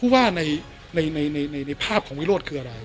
ว่าในภาพของวิโรธคืออะไร